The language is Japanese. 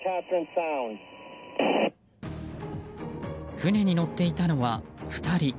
船に乗っていたのは２人。